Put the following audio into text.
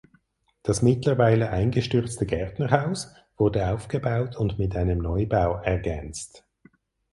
Das mittlerweile eingestürzte Gärtnerhaus wurde aufgebaut und mit einem Neubau ergänzt.